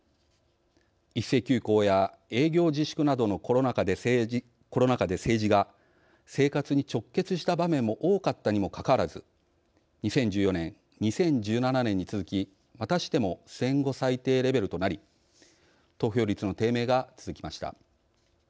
一斉休校や営業自粛などのコロナ禍で政治が生活に直結した場面も多かったにもかかわらず２０１４年、２０１７年に続きまたしても戦後最低レベルとなり投票率の低迷が続きました。